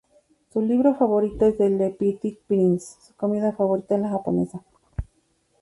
Su libro favorito es Le Petit Prince, su comida favorita es la japonesa.